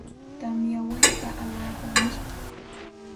Tamya wayta alaapa mishkim.